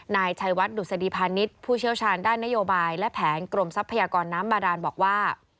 นายชัยวัดดุษฎีพาณิชย์ผู้เชี่ยวชาญด้านนโยบายและแผนกรมทรัพยากรน้ำบาดานบอกว่า